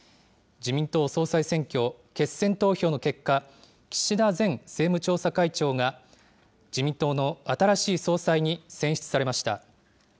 自民党総裁選挙、決選投票の結果、岸田前政務調査会長が、自民党の新しい総裁に選出されました。